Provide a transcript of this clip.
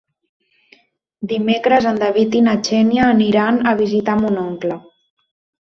Dimecres en David i na Xènia aniran a visitar mon oncle.